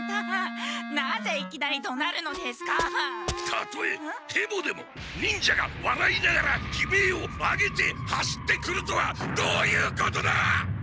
たとえヘボでも忍者がわらいながら悲鳴を上げて走ってくるとはどういうことだっ！？